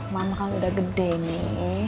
mama kan udah gede nih